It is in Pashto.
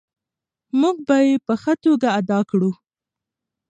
موږ به یې په ښه توګه ادا کړو.